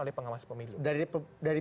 oleh pengawas pemilu dari